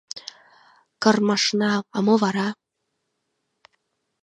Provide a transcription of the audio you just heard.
— Кырмышна... а мо вара?